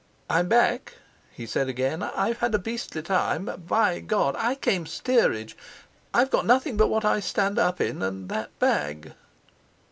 "I'm back," he said again. "I've had a beastly time. By God! I came steerage. I've got nothing but what I stand up in, and that bag."